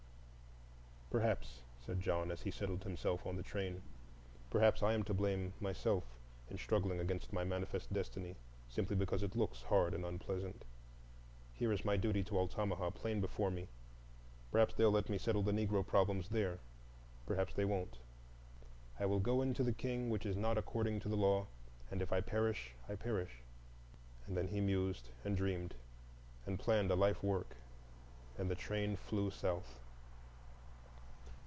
"Perhaps," said John, as he settled himself on the train, "perhaps I am to blame myself in struggling against my manifest destiny simply because it looks hard and unpleasant. Here is my duty to Altamaha plain before me; perhaps they'll let me help settle the Negro problems there,—perhaps they won't. 'I will go in to the King, which is not according to the law; and if I perish, I perish.'" And then he mused and dreamed, and planned a life work; and the train flew south.